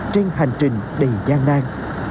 trên hành trình đầy gian nan